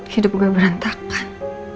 hidup gue berantakan